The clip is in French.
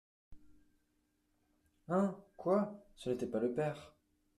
Hein ! quoi !… ce n’était pas le père !